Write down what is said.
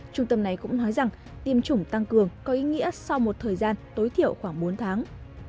trung tâm này cũng nói rằng tiêm chủng tăng cường có ý nghĩa sau một thời gian tối thiểu khoảng bốn tháng